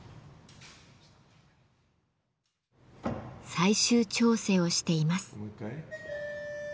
最終調整をしています。